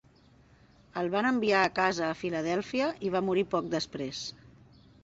El van enviar a casa a Filadèlfia i va morir poc després.